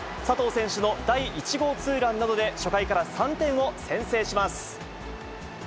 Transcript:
佐藤選手の第１号ツーランなどで、初回から３点を先制します。